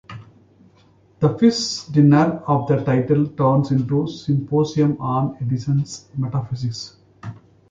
The fish dinner of the title turns into a symposium on Eddison's metaphysics.